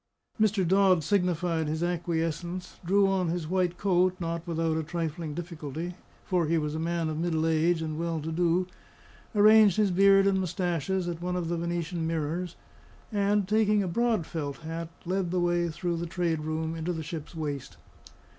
Mr. Dodd signified his acquiescence; drew on his white coat, not without a trifling difficulty, for he was a man of middle age, and well to do; arranged his beard and moustaches at one of the Venetian mirrors; and, taking a broad felt hat, led the way through the trade room into the ship's waist.